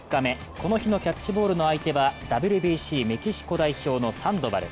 この日のキャッチボールの相手はＷＢＣメキシコ代表のサンドバル。